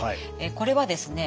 これはですね